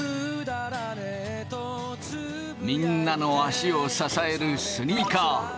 みんなの足を支えるスニーカー。